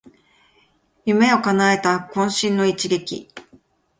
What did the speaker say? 夢をかなえた懇親の一投